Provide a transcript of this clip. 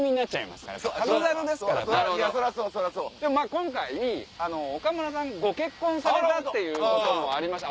今回岡村さんご結婚されたということもあって。